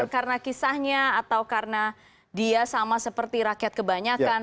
karena kisahnya atau karena dia sama seperti rakyat kebanyakan